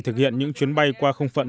thực hiện những chuyến bay qua không phận